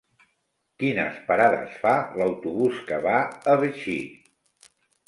Quines parades fa l'autobús que va a Betxí?